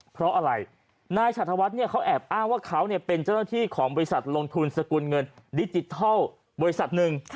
เพราะอะไรนายฉัดธวัฒน์เนี่ยเขาแอบอ้างว่าเขาเป็นเจ้าหน้าที่ของบริษัทลงทุนสกุลเงินดิจิทัลบริษัทหนึ่ง